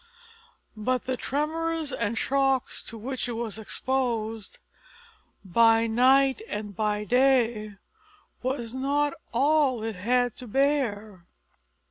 But the tremors and shocks to which it was exposed by night and by day was not all it had to bear.